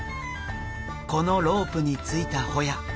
このロープについたホヤ。